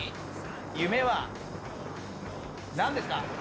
夢は何ですか？